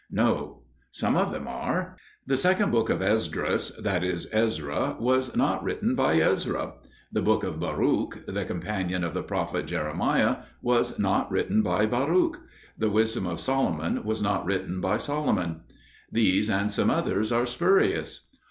No. Some of them are. The Second Book of Esdras (that is, Ezra) was not written by Ezra; The Book of Baruch (the companion of the prophet Jeremiah) was not written by Baruch; The Wisdom of Solomon was not written by Solomon. These and some others are spurious.